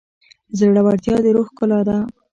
زړورتیا د روح ښکلا ده.